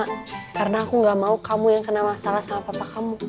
karena aku gak mau kamu yang kena masalah sama papa kamu